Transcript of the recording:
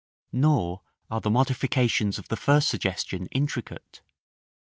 Nor are the modifications of the first suggestion intricate.